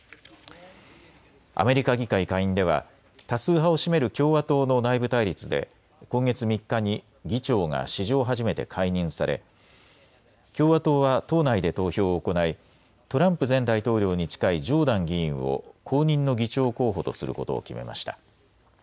アメリカ議会下院では多数派を占める共和党の内部対立で今月３日に議長が史上初めて解任され、共和党は党内で投票を行いトランプ前大統領に近いジョーダン議員を後任の議長候補とすることを決めました。